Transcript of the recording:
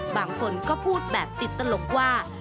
บางคนก็พูดแบบติดตลกว่า